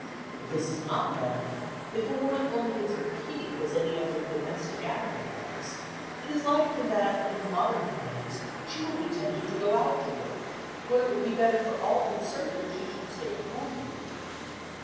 If this is not done, if a woman only gets her keep as any other domestic animal does, it is likely that, in modern times, she will be tempted to go out to work, when it would be better for all concerned that she should stay at home and work.